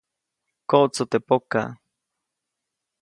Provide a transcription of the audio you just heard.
Koʼtsu teʼ pokaʼ.